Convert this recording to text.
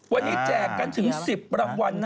วันนี้แจกกันถึง๑๐รางวัลนะ